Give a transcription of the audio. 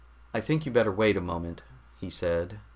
"I think you'd better wait a moment," he said.